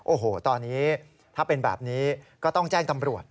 โอ้โหตอนนี้ถ้าเป็นแบบนี้ก็ต้องแจ้งตำรวจ